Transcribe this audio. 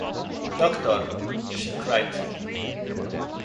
“Doctor!” she cried.